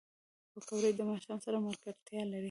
پکورې د ماښام سره ملګرتیا لري